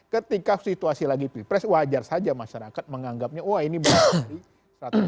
ketika situasi lagi pilpres wajar saja masyarakat menganggapnya wah ini berarti